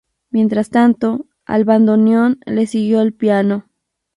Mientras tanto, al bandoneón le siguió el piano.